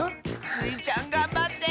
スイちゃんがんばって！